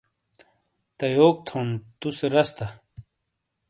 تَہہ یوک تھونڈ تُو سے رَس تَہہ۔